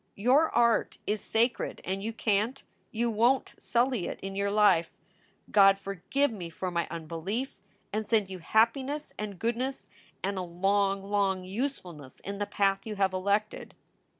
Your art is sacred and you can t, you won t, sully it in your life. God forgive me for my unbelief and send you happiness and goodness and a long, long usefulness in the path you have elected."